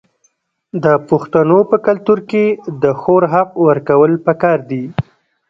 د پښتنو په کلتور کې د خور حق ورکول پکار دي.